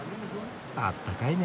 あったかいね。